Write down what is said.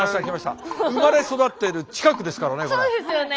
生まれ育ってる近くですからね。